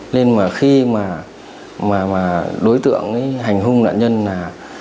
nên mà khi mà đối tượng ấy hành hung nạn nhân là